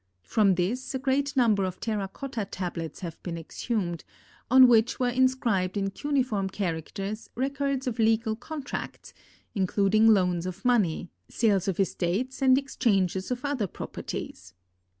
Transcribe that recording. From this a great number of terra cotta tablets have been exhumed on which were inscribed in cuneiform characters records of legal contracts, including loans of money, sales of estates and exchanges of other properties.